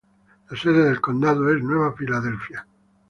La sede del condado es Nueva Filadelfia.